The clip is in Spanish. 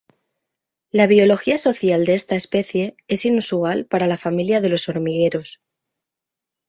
La biología social de esta especie es inusual para la familia de los hormigueros.